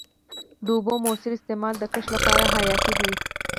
د اوبو موثر استعمال د کښت لپاره حیاتي دی.